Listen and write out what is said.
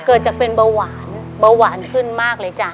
เกิดจากเป็นเบาหวานเบาหวานขึ้นมากเลยจ้ะ